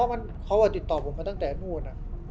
อ้าวใช่เพราะว่าติดต่อผ่านตั้งแต่โน่น